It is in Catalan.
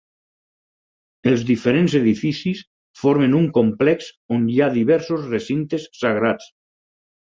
Els diferents edificis formen un complex on hi ha diversos recintes sagrats.